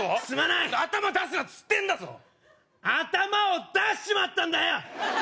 すまない頭出すなっつってんだぞ頭を出しちまったんだよ